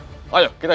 tidak ada yang menjaga